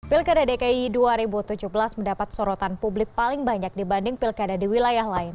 pilkada dki dua ribu tujuh belas mendapat sorotan publik paling banyak dibanding pilkada di wilayah lain